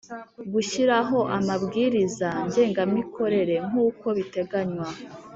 Gushyiraho Amabwiriza Ngengamikorere nk’ uko biteganywa